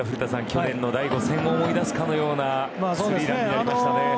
去年の第５戦を思い出すかのようなスリーランになりましたね。